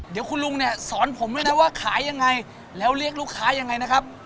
เดี๋ยวคุณลุงเนี่ยสอนผมด้วยนะว่าขายยังไงแล้วเรียกลูกค้ายังไงนะครับ